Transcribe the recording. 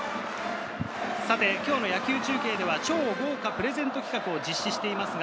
今日の野球中継では超豪華プレゼント企画を実施しています。